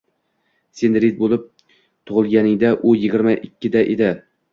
Sen Rid bo`lib tug`ilganingda u yigirma ikkida edi